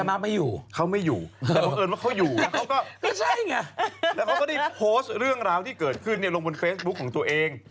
แล้วเขาก็ได้โพสต์เรื่องราวที่เกิดขึ้นลงบนเฟซบุ๊คของตัวเอง